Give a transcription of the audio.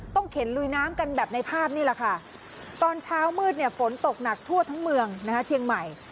เข็นลุยน้ำกันแบบในภาพนี่แหละค่ะตอนเช้ามืดเนี่ยฝนตกหนักทั่วทั้งเมืองเชียงใหม่